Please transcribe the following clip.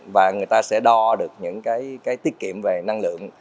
và người ta sẽ đo được những cái tiết kiệm về năng lượng